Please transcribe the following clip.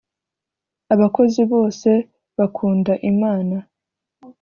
abakozi bose bakunda imana.